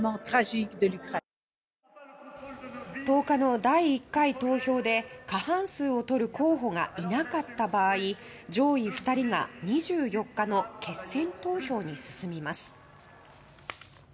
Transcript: １０日の第１回投票で過半数をとる候補がいなかった場合上位２人が２４日の決選投票に進みます。